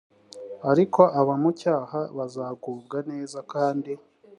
ariko abamucyaha bazagubwa neza kandi